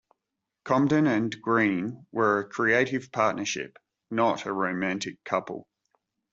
Comden and Green were a creative partnership, not a romantic couple.